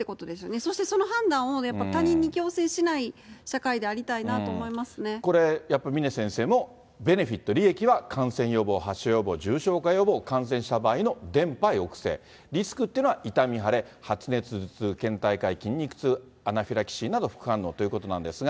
そしてその判断をやっぱり他人に強制しない社会でありたいなと思これ、やっぱり峰先生もベネフィット、利益は感染予防、発症予防、重症化予防、感染した場合の伝ぱ抑制、リスクってのは、痛み、腫れ、発熱、頭痛、けん怠感、筋肉痛、アナフィラキシーなど副反応ということなんですが。